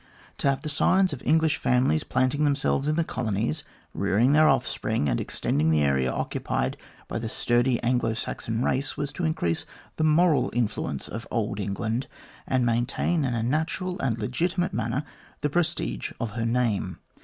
To have the scions of English families planting themselves in the colonies, rearing their offspring, and ex tending the area occupied by the sturdy Anglo Saxon race, was to increase the moral influence of Old England, and maintain, in a natural and legitimate manner, the prestige of her name.